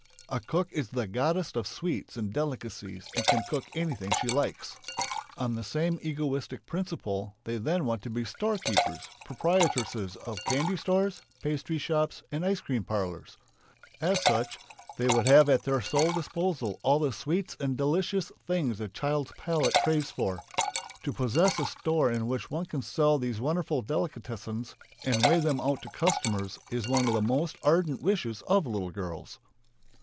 A cook is the goddess of sweets and delicacies and can cook anything she likes. On the same egoistic principle they then want to be store keepers, proprietresses of candy stores, pastry shops, and ice cream parlours. As such they would have at their sole disposal all the sweets and delicious things a child's palate craves for. To possess a store in which one can sell these wonderful delicatessens and weigh them out to customers is one of the most ardent wishes of little girls.